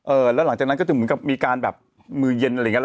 แล้วหลังจากนั้นก็จะเหมือนกับมีการแบบมือเย็นอะไรอย่างนี้